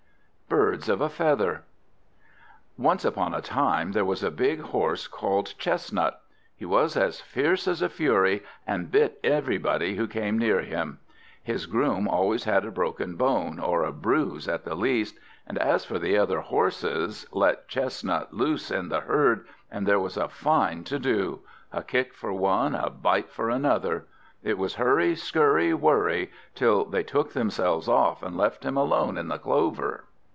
BIRDS OF A FEATHER Once upon a time there was a big horse called Chestnut. He was as fierce as a fury, and bit everybody who came near him; his groom always had a broken bone, or a bruise at the least; and, as for the other horses, let Chestnut loose in the herd, and there was a fine to do: a kick for one, a bite for another; it was hurry, skurry, worry, till they took themselves off and left him alone in the clover.